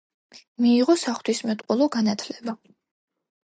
მიიღო საღვთისმეტყველო განათლება.